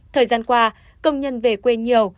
thời gian qua công nhân về quê nhiều